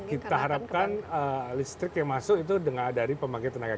kita harapkan listrik yang masuk itu dari pembangkit tenaga kerja